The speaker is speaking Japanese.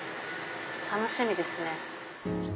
楽しみですね。